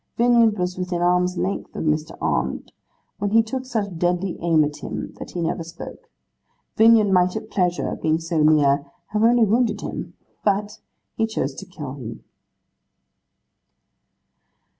Vinyard was within arm's length of Mr. Arndt, when he took such deadly aim at him, that he never spoke. Vinyard might at pleasure, being so near, have only wounded him, but he chose to kill him.